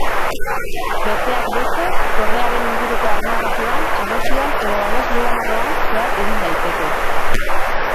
Besteak beste, dorrearen inguruko arma-patioan, harresian edo babes-lubanarroan zehar ibil daiteke.